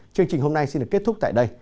chương trình hôm nay xin được kết thúc tại đây